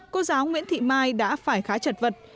cô giáo nguyễn thị mai đã phải khá chật vật